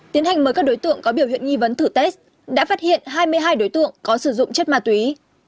tiến hành mời các đối tượng có biểu hiện nghi vấn thử test đã phát hiện hai mươi hai đối tượng có sử dụng chất ma túy